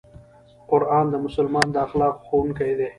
قرآن د مسلمان د اخلاقو ښوونکی دی.